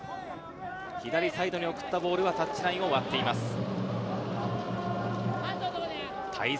左サイドに送ったボールは、タッチラインを割っています。